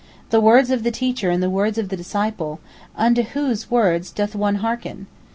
The words of the Teacher and the words of the disciple—unto whose words doth one hearken?"